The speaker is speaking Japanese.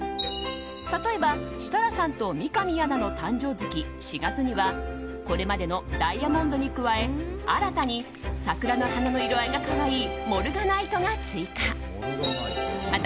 例えば設楽さんと三上アナの誕生月、４月にはこれまでのダイヤモンドに加え新たに桜の花の色あいが可愛いモルガナイトが追加された。